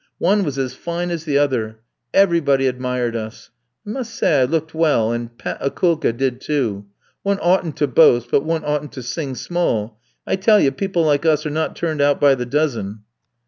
One was as fine as the other. Everybody admired us. I must say I looked well, and pet Akoulka did too. One oughtn't to boast, but one oughtn't to sing small. I tell you people like us are not turned out by the dozen."